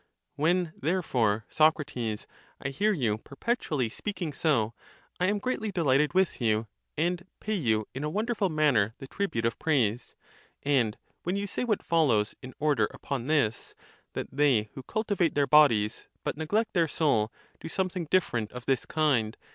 [8.1 When therefore, Socrates, I hear you perpetually speaking so, I am greatly delighted with you, and pay you in a wonderful manner the tribute of praise. And when you say what follows in order upon this, that they, who cultivate their bodies, but neglect their soul, !do something different of this kind